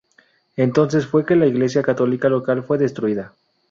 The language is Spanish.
Entonces fue que la iglesia católica local fue destruida.